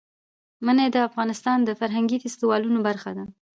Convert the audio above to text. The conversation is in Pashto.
منی د افغانستان د فرهنګي فستیوالونو برخه ده.